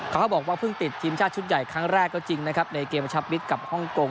เขาบอกว่าเพิ่งติดทีมชาติชุดใหญ่ครั้งแรกก็จริงนะครับในเกมชับมิตรกับฮ่องกง